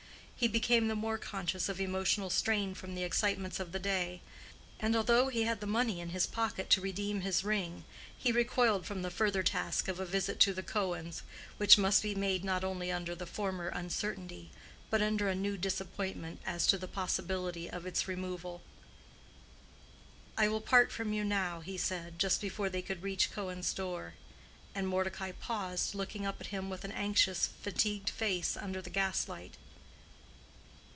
He became the more conscious of emotional strain from the excitements of the day; and although he had the money in his pocket to redeem his ring, he recoiled from the further task of a visit to the Cohens', which must be made not only under the former uncertainty, but under a new disappointment as to the possibility of its removal. "I will part from you now," he said, just before they could reach Cohen's door; and Mordecai paused, looking up at him with an anxious fatigued face under the gaslight.